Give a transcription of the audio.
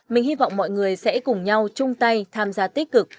mình hy vọng mọi người sẽ cùng nhau chung tay tham gia tích cực